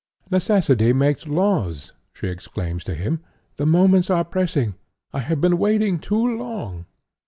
'Necessity makes laws,' she exclaims to him, 'the moments are pressing, I have been waiting too long.'